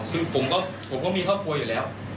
ซึ่งผมก็มีครอบครัวอยู่แล้ว